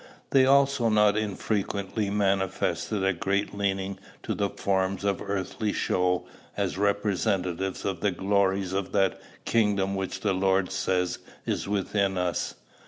They also not unfrequently manifested a great leaning to the forms of earthly show as representative of the glories of that kingdom which the Lord says is within us.